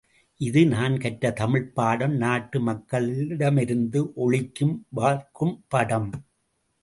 இது நான் கற்ற தமிழ்ப் பாடம் நாட்டு மக்களிடமிருந்து ஒளிக்கும் பார்க்கும் பாடம்.